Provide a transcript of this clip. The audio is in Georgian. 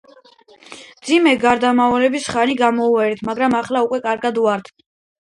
მძიმე გარდამავალი ხანი გამოვიარეთ, მაგრამ ახლა უკვე კარგად ვართ.